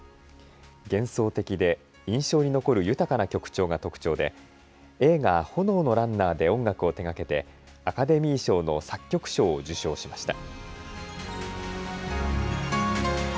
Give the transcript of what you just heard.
幻想的で印象に残る豊かな曲調が特徴で映画、炎のランナーで音楽を手がけてアカデミー賞の作曲賞を受賞しました。